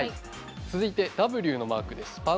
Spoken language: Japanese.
続いてＷのマークです。